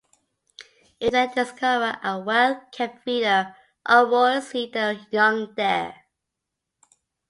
If they discover a well-kept feeder, orioles lead their young there.